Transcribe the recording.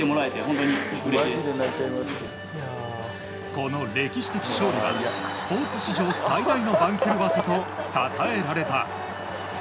この歴史的勝利はスポーツ史上最大の番狂わせとたたえられた。